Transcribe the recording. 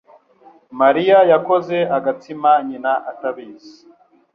Mariya yakoze agatsima nyina atabizi.